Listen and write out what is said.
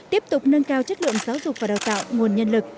tiếp tục nâng cao chất lượng giáo dục và đào tạo nguồn nhân lực